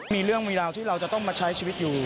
มีเรื่องมีราวที่เราจะต้องมาใช้ชีวิตอยู่